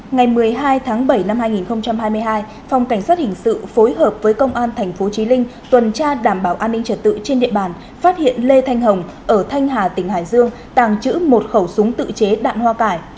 ngày một mươi hai tháng bảy năm hai nghìn hai mươi hai phòng cảnh sát hình sự phối hợp với công an tp chí linh tuần tra đảm bảo an ninh trật tự trên địa bàn phát hiện lê thanh hồng ở thanh hà tỉnh hải dương tàng trữ một khẩu súng tự chế đạn hoa cải